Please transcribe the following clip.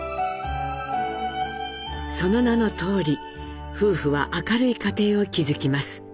その名のとおり夫婦は明るい家庭を築きます。